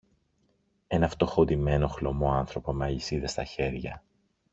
ένα φτωχοντυμένο χλωμό άνθρωπο με αλυσίδες στα χέρια.